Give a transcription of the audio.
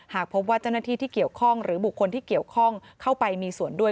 หากพบว่าเจ้าหน้าที่ที่เกี่ยวข้องหรือบุคคลที่เกี่ยวข้องเข้าไปมีส่วนด้วย